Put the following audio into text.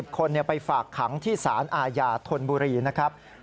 คนไปฝากขังที่สารอาญาธนบุรีนะครับ